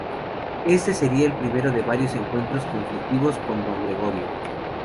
Este sería el primero de varios encuentros conflictivos con Don Gregorio.